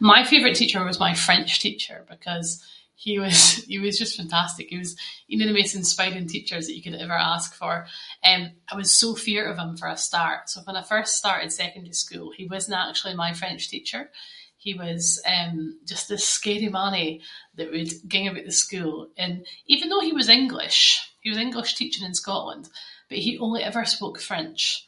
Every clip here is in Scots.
My favourite teacher was my French teacher because he was- he was just fantastic. He was ain of the maist inspiring teachers that you could ever ask for. Eh I was so feart of him for a start. So, fann I first started secondary school, he wasnae actually my French teacher. He was eh just this scary mannie that would ging aboot the school and, even though he was English- he was English teaching in Scotland, but he only ever spoke French.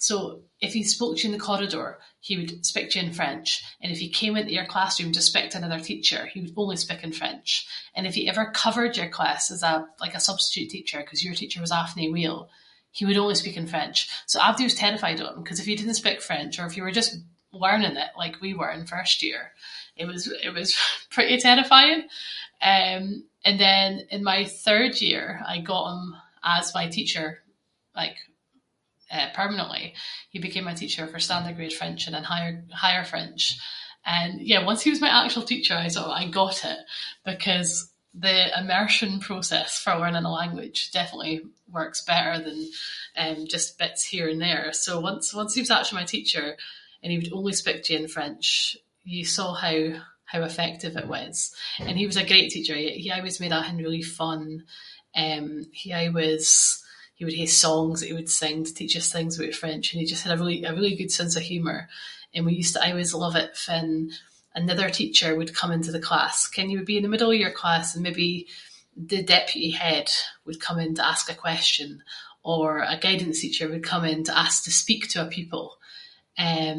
So, if he spoke to you in the corridor, he would speak to you in French and if he came into your classroom to speak to another teacher, he would only speak in French. And if he ever covered your class as a- like a substitute teacher ‘cause your teacher was off no well, he would only speak in French. So, abody was terrified of him, ‘cause if you didn’t speak French or if you were just learning it like we were in first year, he was- it was pretty terrifying. Eh, and then in my third year I got him as my teacher like, eh, permanently. He became my teacher for standard grade French and then Higher French. And yeah once he was my actual teacher, I sort of- I got it. Because the immersion process for learning a language definitely works better than just bits here and there. So once- once he was actually my teacher, and he would only speak to you in French, you saw how- how effective it was. And he was a great teacher, he- he aieways made athing really fun, eh he aieways- he would hae songs that he would sing to teach us things aboot French, and he just had a really- a really good sense of humour. And we used to aieways love it fann another teacher would come into the class. Ken you would be in the middle of your class and maybe the deputy head would come in to ask a question, or a guidance teacher would come in to ask to speak to a pupil. Eh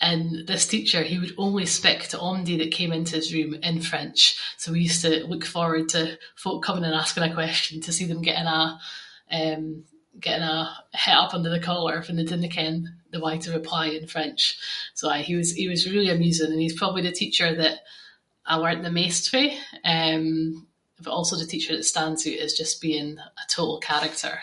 and this teacher, he would only speak to onybody that came into his room in French. So, we used to look forward to folk coming and asking a question to see them getting a’, eh- getting a’ hot up under the collar fann they didnae ken the way to reply in French. So aye, he was- he was really amusing and he’s probably the teacher that I learnt the maist fae. Eh but also the teacher that stands oot as just being a total character.